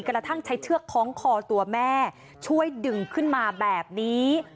กระทั่งใช้เชือกคล้องคอตัวแม่ช่วยดึงขึ้นมาแบบนี้